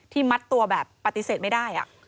มัดตัวแบบปฏิเสธไม่ได้